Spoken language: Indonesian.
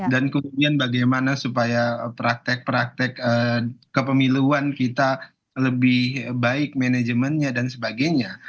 dan kemudian bagaimana supaya praktek praktek kepemiluan kita lebih baik manajemennya dan sebagainya